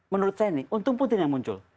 menurut saya ini untung putin yang muncul